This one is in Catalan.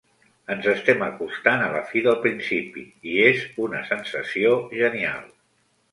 Ens estem acostant a la fi del principi, i és una sensació genial!